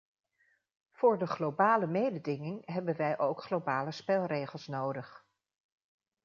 Voor de globale mededinging hebben wij ook globale spelregels nodig.